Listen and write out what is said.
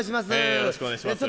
よろしくお願いしますよ。